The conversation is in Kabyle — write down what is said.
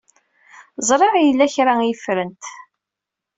Ẓriɣ yella kra ay ffrent.